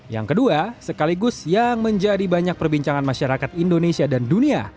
yang kedua sekaligus yang menjadi banyak perbincangan masyarakat indonesia dan dunia